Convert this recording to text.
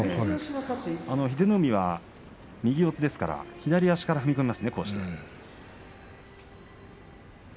英乃海は右四つですから左足から踏み込みますね。